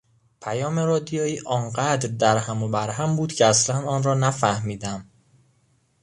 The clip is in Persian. پیام رادیویی آنقدر در هم و برهم بود که اصلا آن را نفهمیدم.